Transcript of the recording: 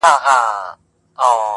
• نه محتاج یو د انسان نه غلامان یو -